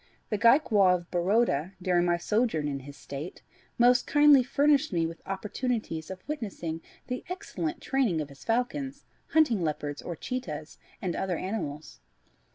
The Gaekwar of Baroda, during my sojourn in his State, most kindly furnished me with opportunities of witnessing the excellent training of his falcons, hunting leopards, or cheetahs, and other animals.